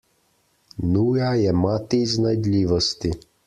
Nuja je mati iznajdljivosti.